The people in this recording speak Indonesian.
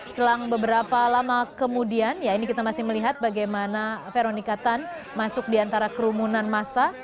selang beberapa lama kemudian ya ini kita masih melihat bagaimana veronika tan masuk di antara kerumunan masa